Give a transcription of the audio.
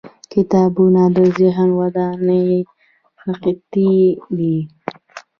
• کتابونه د ذهن د ودانۍ خښتې دي.